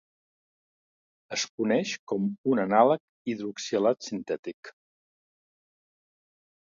Es coneix un anàleg hidroxilat sintètic.